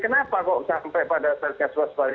kenapa kok sampai pada satgas waspada